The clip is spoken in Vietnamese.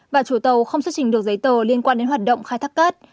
và chủ tàu không xuất trình được giấy tờ liên quan đến hoạt động khai thác cát